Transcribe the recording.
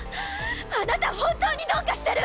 あなた本当にどうかしてる！